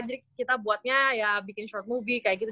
jadi kita buatnya ya bikin short movie kayak gitu